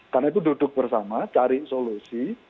karena itu duduk bersama cari solusi